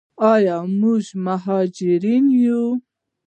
آیا موږ مهاجرین یو؟